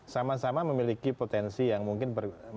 sama sama memiliki potensi yang mungkin